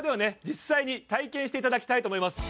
実際に体験していただきたいと思います